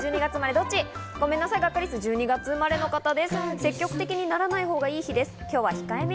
ごめんなさい、ガッカりすは１２月生まれの方です。